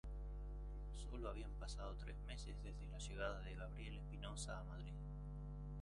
Sólo habían pasado tres meses desde la llegada de Gabriel Espinosa a Madrigal.